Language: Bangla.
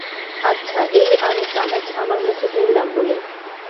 আচ্ছা, এই আমি চামচ আমার মুখে পুরলাম বলে।